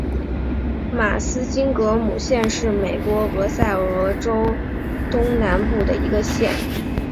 马斯金格姆县是美国俄亥俄州东南部的一个县。